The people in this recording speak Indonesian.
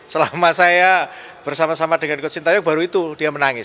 selama saya bersama sama dengan coach sintayong baru itu dia menangis